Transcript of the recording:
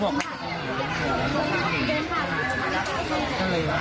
ก็เลยว่าเขาก็ตามรักษีวิทยาที่เขาเรียนมา